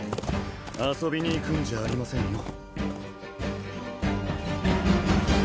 遊びに行くんじゃありませんよ